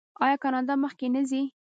آیا کاناډا مخکې نه ځي؟